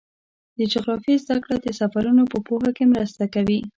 د جغرافیې زدهکړه د سفرونو په پوهه کې مرسته کوي.